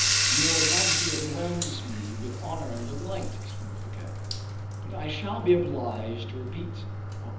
"Your majesty overwhelms me with honor and delight," exclaimed Fouquet, "but I shall be obliged to repeat what M.